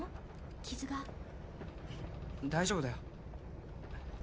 傷が大丈夫だよ